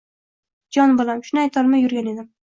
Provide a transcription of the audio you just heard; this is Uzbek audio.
Jonim bolam, shuni aytolmay yurgan edim